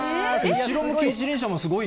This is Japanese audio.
後ろ向き一輪車もすごいよ。